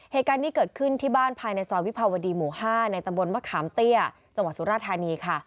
เหตุการณ์นี้เกิดขึ้นที่บ้านภายในซอยวิภาวดีหมู่๕ในตำบลมะขามเตี้ยจังหวัดสุราธานีค่ะ